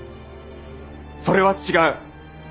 それは違う！